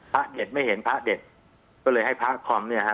เด็ดไม่เห็นพระเด็ดก็เลยให้พระคอมเนี่ยฮะ